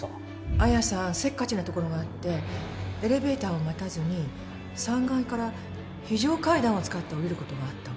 彩矢さんはせっかちなところがあってエレベーターを待たずに３階から非常階段を使って下りる事があったわ。